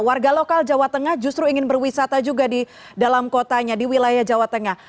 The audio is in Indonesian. warga lokal jawa tengah justru ingin berwisata juga di dalam kotanya di wilayah jawa tengah